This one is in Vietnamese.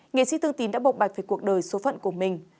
nghệ sĩ thương tín đã bộc bạch về cuộc đời số phận của mình